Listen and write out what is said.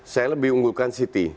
saya lebih unggulkan city